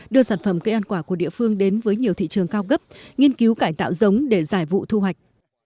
đưa sản phẩm cây ăn quả của địa phương đến với nhiều thị trường cao cấp nghiên cứu cải tạo giống để giải vụ thu hoạch